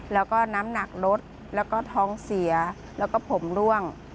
แล้วก็น้ำหนักลดแล้วก็ท้องเสียแล้วก็ผมร่วง